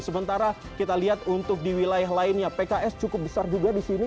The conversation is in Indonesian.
sementara kita lihat untuk di wilayah lainnya pks cukup besar juga di sini